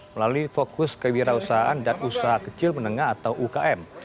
melalui fokus kewirausahaan dan usaha kecil menengah atau ukm